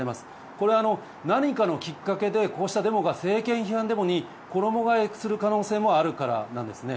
これは、何かのきっかけでこうしたデモが政権批判デモに衣替えする可能性があるからなんですね。